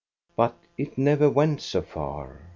But it never went so far.